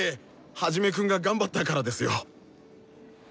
ハジメくんが頑張ったからですよ！